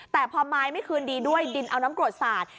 แต่พอไม้ไม่คืนดีด้วยดินเอาน้ำกรดสาด